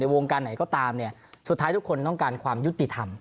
วงการไหนก็ตามสุดท้ายทุกคนต้องการความยุติธรรม